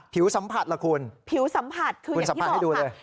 ผิวสัมผัสเหรอคุณคุณสัมผัสให้ดูเลยผิวสัมผัสคืออย่างที่สองค่ะ